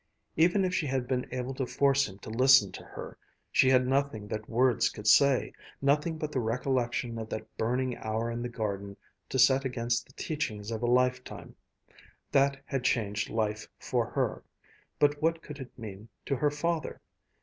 Even if she had been able to force him to listen to her, she had nothing that words could say, nothing but the recollection of that burning hour in the garden to set against the teachings of a lifetime. That had changed life for her ... but what could it mean to her father?